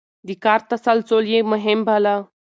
د کار تسلسل يې مهم باله.